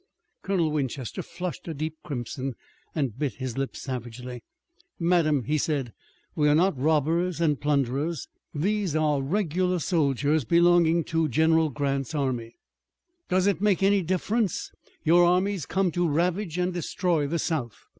Colonel Winchester flushed a deep crimson, and bit his lips savagely. "Madame," he said, "we are not robbers and plunderers. These are regular soldiers belonging to General Grant's army." "Does it make any difference? Your armies come to ravage and destroy the South."